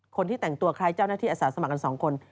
คนที่แต่งตัวคล้ายเจ้าหน้าที่อาสาสมัครกัน๒คน